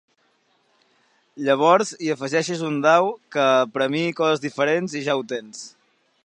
Llavors, hi afegeixes un dau que premiï coses diferents i ja ho tens.